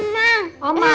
tuh tuh tuh